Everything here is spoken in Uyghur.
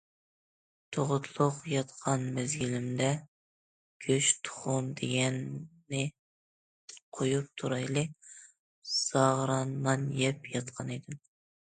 تۇغۇتلۇق ياتقان مەزگىلىمدە گۆش- تۇخۇم دېگەننى قويۇپ تۇرايلى، زاغرا نان يەپ ياتقان ئىدىم.